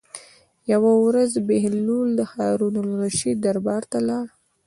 یوه ورځ بهلول د هارون الرشید دربار ته لاړ.